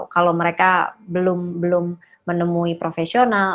kalau mereka belum menemui profesional